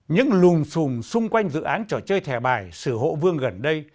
những lùng xùm xung quanh dự án trò chơi thẻ bài sử hộ vương gần đây